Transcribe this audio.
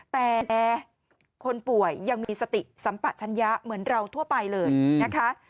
แต่คนป่วยยังมีสติสัมปะชัญญะเหมือนเราทั่วไปเลยนะคะ